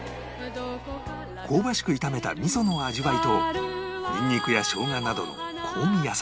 香ばしく炒めた味噌の味わいとニンニクや生姜などの香味野菜